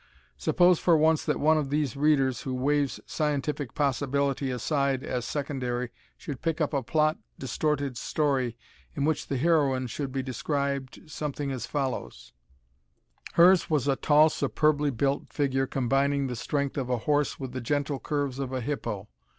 Suppose for once that one of these Readers who waives scientific possibility aside as secondary should pick up a plot distorted story in which the heroine should be described something as follows: "Hers was a tall superbly built figure combining the strength of a horse with the gentle curves of a hippo.